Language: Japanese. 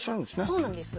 そうなんです。